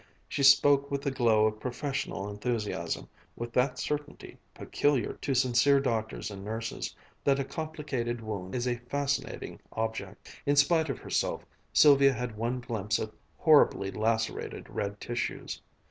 She spoke with the glow of professional enthusiasm, with that certainty, peculiar to sincere doctors and nurses, that a complicated wound is a fascinating object. In spite of herself Sylvia had one glimpse of horribly lacerated red tissues....